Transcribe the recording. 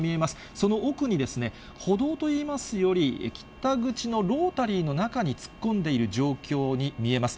その奥に、歩道といいますより、北口のロータリーの中に突っ込んでいる状況に見えます。